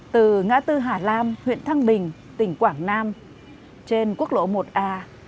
từ ngã tư hà lam huyện thăng bình tỉnh quảng nam trên quốc lộ một a